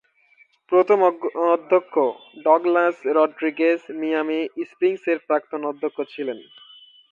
প্রথম অধ্যক্ষ, Douglas Rodriguez, Miami স্প্রিংসের প্রাক্তন অধ্যক্ষ ছিলেন।